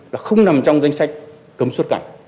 là không nằm trong doanh nghiệp